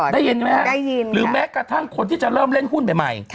ได้ยินไหมหรือแม้กระทั่งคนที่จะเริ่มเล่นหุ้นไปใหม่